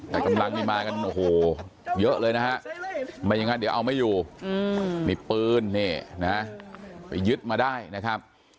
แต่กำลังนี่มากันโอ้โหเยอะเลยนะฮะไม่อย่างนั้นเดี๋ยวเอาไม่อยู่มีปืนนี่นะไปยึดมาได้นะครับ